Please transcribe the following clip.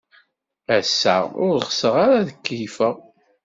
Ass-a, ur ɣseɣ ara ad keyyfeɣ.